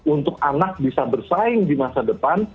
untuk anak bisa bersaing di masa depan